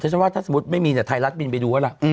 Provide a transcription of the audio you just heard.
ฉันว่าถ้าสมมุติไม่มีเนี่ยไทยรัฐบินไปดูว่าล่ะ